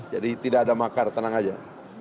jadi tidak ada makar tenang aja